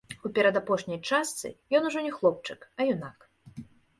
У перадапошняй частцы ён ужо не хлопчык, а юнак.